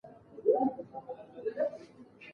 کلیمه د ژبي شتمني ده.